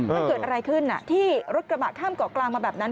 มันเกิดอะไรขึ้นที่รถกระบะข้ามเกาะกลางมาแบบนั้น